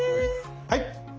はい！